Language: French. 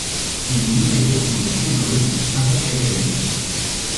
Une nouvelle version du thésaurus paraît chaque année.